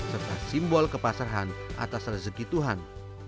serta simbol kepasaran atas rezeki tuhan